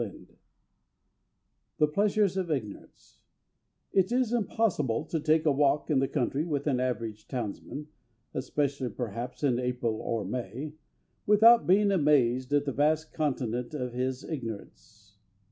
L._ I THE PLEASURES OF IGNORANCE It is impossible to take a walk in the country with an average townsman especially, perhaps, in April or May without being amazed at the vast continent of his ignorance.